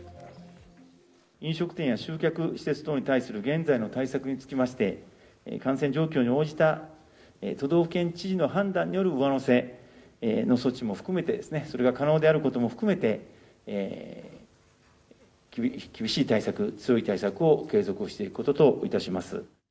飲食店や集客施設等に対する現在の対策につきまして、感染状況に応じた都道府県知事の判断による上乗せの措置も含めてですね、それが可能であることも含めて厳しい対策、強い対策を継続していくことといたします。